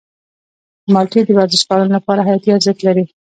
مالټې د ورزشکارانو لپاره حیاتي ارزښت لري.